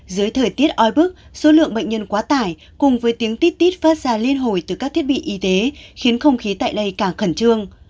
dưới thời tiết oi bức số lượng bệnh nhân quá tải cùng với tiếng tittit phát ra liên hồi từ các thiết bị y tế khiến không khí tại đây càng khẩn trương